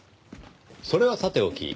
それはさておき